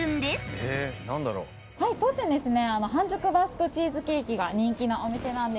当店ですね。